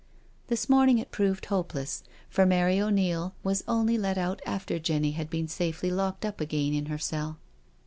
This morning it proved hopeless, for Mary O'Neil was only let out after Jenny had been safely locked up again in her cell.